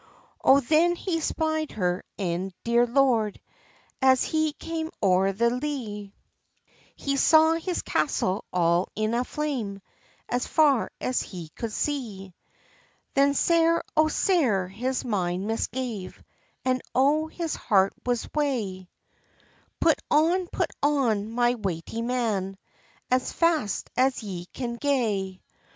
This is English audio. ] Oh, then he spied her ain dear lord, As he came o'er the lea; He saw his castle all in a flame, As far as he could see. Then sair, oh sair his mind misgave, And oh, his heart was wae! "Put on, put on, my wighty {96a} men, As fast as ye can gae.